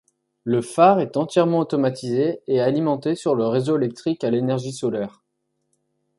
Le phare est entièrement automatisé et alimenté sur le réseau électrique à l'énergie solaire.